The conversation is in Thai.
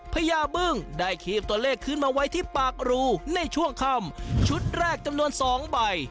พญาบึ้งได้คีบตัวเลขขึ้นมาไว้ที่ปากรูในช่วงค่ำชุดแรกจำนวนสองใบ